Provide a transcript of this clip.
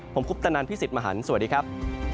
ผมคุปตะนันพี่สิทธิ์มหันฯสวัสดีครับ